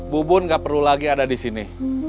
bubun gak perlu lagi ada disini